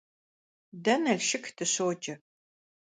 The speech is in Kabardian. Дэ Налшык дыщоджэ.